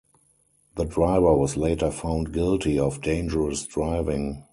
The driver was later found guilty of dangerous driving.